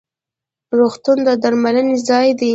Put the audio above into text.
روغتون د درملنې ځای دی